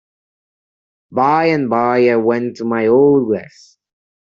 By and by I went to my old glass.